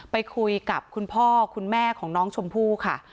ไปคุยกับคุณพ่อคุณแม่ของน้องชมพู่ค่ะ